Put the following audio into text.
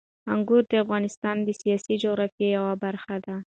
انګور د افغانستان د سیاسي جغرافیې یوه برخه ده.